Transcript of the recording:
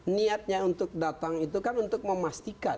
niatnya untuk datang itu kan untuk memastikan